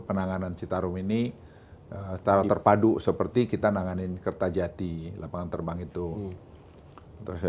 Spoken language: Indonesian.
menanganan citarum ini terpadu seperti kita nanganin kerta jati lapangan terbang itu terus